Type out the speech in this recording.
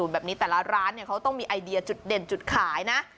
แบบนี้แต่ละร้านเขาต้องมีไอเดียจุดเด่นจุดขายนะ